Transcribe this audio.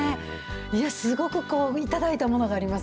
いや、すごく頂いたものがありま